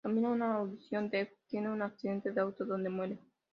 Camino a una audición, Deb tiene un accidente de auto donde muere.